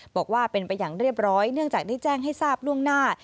บอกว่าเป็นไปอย่างเรียบร้อยเนื่องจากได้แจ้งให้ทราบล่วงหน้า